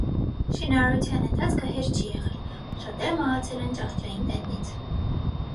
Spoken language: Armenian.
Շինարարության ընթացքը հեշտ չի եղել. շատերը մահացել են ճահճային տենդից։